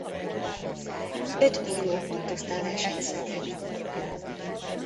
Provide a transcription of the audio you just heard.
Öt bíró pontozta a versenyzőket.